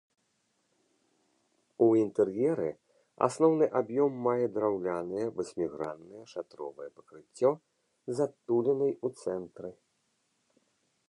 У інтэр'еры асноўны аб'ём мае драўлянае васьміграннае шатровае пакрыццё з адтулінай у цэнтры.